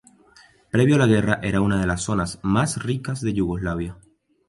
Previo a la guerra era una de las zonas más ricas de Yugoslavia.